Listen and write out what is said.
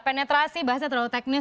penetrasi bahasanya terlalu teknis